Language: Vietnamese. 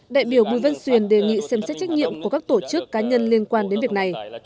đại biểu bùi vân xuyền đề nghị xem xét trách nhiệm của các tổ chức cá nhân liên quan đến việc này